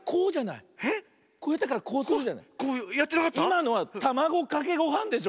いまのはたまごかけごはんでしょ。